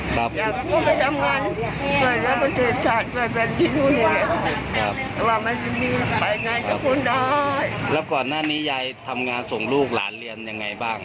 ครับและก่อนหน้านี้ยายทำงานส่งลูกและอาหารเรียนยังไงบ้าง